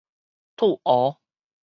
黜蚵